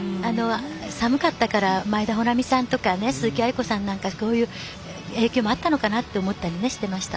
寒かったから、前田穂南さんとか鈴木亜由子さんなんかそういう影響もあったのかなという気がしていました。